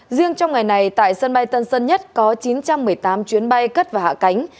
riêng trong ngày này tại sân bay tân sơn nhất có chín trăm một mươi tám chuyến bay cất và hạ cánh